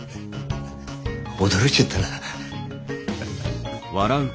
驚いちゃったなハハ。